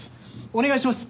お願いします。